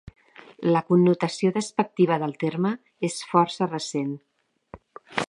La connotació despectiva del terme és força recent.